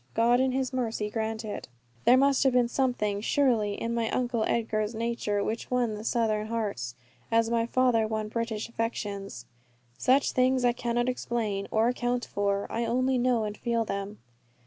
God in His mercy grant it. There must have been something surely in my Uncle Edgar's nature, which won the Southern hearts, as my father won British affections. Such things I cannot explain, or account for. I only know and feel them.